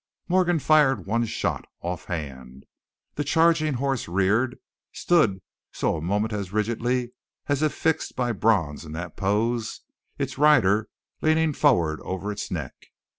Morgan fired one shot, offhand. The charging horse reared, stood so a moment as rigidly as if fixed by bronze in that pose, its rider leaning forward over its neck.